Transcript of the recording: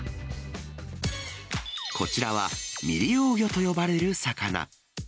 こちらは未利用魚と呼ばれる魚。